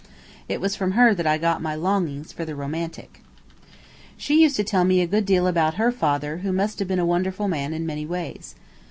It was from her that I got my longings for the romantic. She used to tell me a good deal about her father, who must have been a wonderful man in many ways.